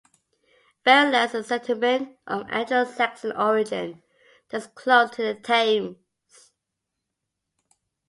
Berrylands is a settlement of Anglo-Saxon origin that is close to the Thames.